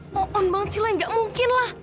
mohon banget sih lah ga mungkin lah